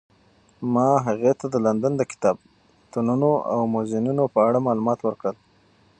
ما هغې ته د لندن د کتابتونونو او موزیمونو په اړه معلومات ورکړل.